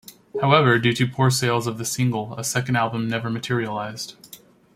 However, due to poor sales of the single, a second album never materialised.